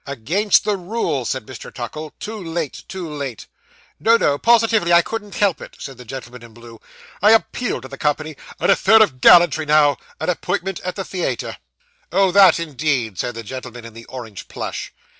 'Against the rules,' said Mr. Tuckle. 'Too late, too late.' 'No, no; positively I couldn't help it,' said the gentleman in blue. 'I appeal to the company. An affair of gallantry now, an appointment at the theayter.' 'Oh, that indeed,' said the gentleman in the orange plush.